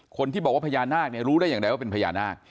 คนที่บอกว่าพญานาคเนี่ยรู้ได้อย่างใดว่าเป็นพญานาค